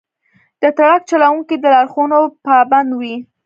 د ټرک چلوونکي د لارښوونو پابند وي.